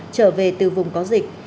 trở về từ vùng có dịch